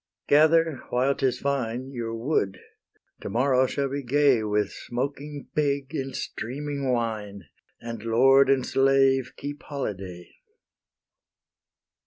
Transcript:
Gather, while 'tis fine, Your wood; to morrow shall be gay With smoking pig and streaming wine, And lord and slave keep holyday.